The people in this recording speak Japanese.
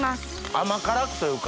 甘辛くというか。